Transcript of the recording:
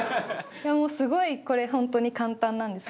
いやもうすごいこれ本当に簡単なんです。